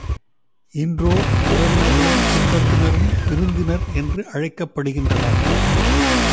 இன்றோ உறவினர்களும் சுற்றத்தினரும் விருந்தினர் என்று அழைக்கப்படுகின்றனர்.